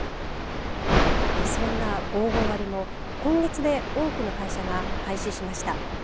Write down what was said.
そんな５５割も今月で多くの会社が廃止しました。